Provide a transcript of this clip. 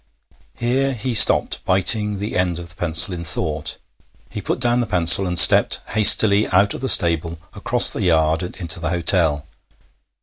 Here he stopped, biting the end of the pencil in thought. He put down the pencil and stepped hastily out of the stable, across the yard, and into the hotel.